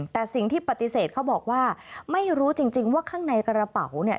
แต่สิ่งที่ปฏิเสธเขาบอกว่าไม่รู้จริงว่าข้างในกระเป๋าเนี่ย